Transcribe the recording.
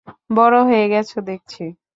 বড় হয়ে গেছ দেখছি!